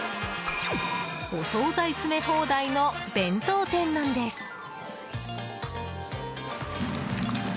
お総菜詰め放題の弁当店なんです。